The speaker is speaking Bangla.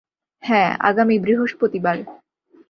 হ্যাঁ, আগামী বৃহস্পতিবার।